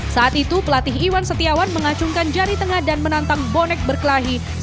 saat itu pelatih iwan setiawan mengacungkan jari tengah dan menantang bonek berkelahi